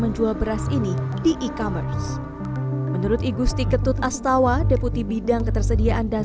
menjual beras ini di e commerce menurut igusti ketut astawa deputi bidang ketersediaan dan